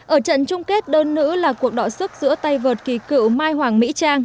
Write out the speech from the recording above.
ở trận chung kết đơn nữ là cuộc đọa sức giữa tay vợt kỳ cựu mai hoàng mỹ trang